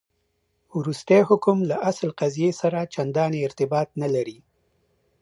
وروستی حکم له اصل قضیې سره چنداني ارتباط نه لري.